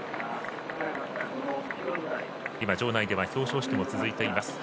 場内では表彰式も続いています。